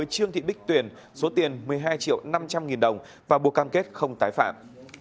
trương thị bích tuyền số tiền một mươi hai triệu năm trăm linh nghìn đồng và buộc cam kết không tái phạm